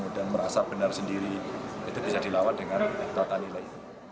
dan merasa benar sendiri itu bisa dilawat dengan tata nilai